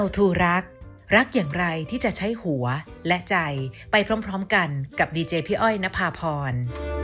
โปรดติดตามตอนต่อไป